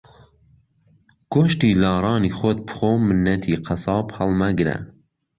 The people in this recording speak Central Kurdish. گۆشتی لاڕانی خۆت بخۆ مننەتی قەساب ھەڵمەگرە